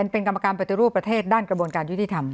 เป็นกรรมการปฏิรูปประเทศด้านกระบวนการยุติธรรม